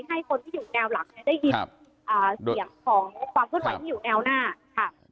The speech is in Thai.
ให้คนที่อยู่แนวหลังได้ยินเสียงของความเคลื่อนไหวที่อยู่แนวหน้าค่ะ